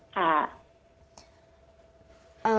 ค่ะ